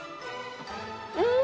うん！